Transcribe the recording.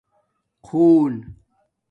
خݸں